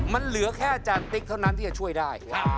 มันเหลือแค่อาจารย์ติ๊กเท่านั้นที่จะช่วยได้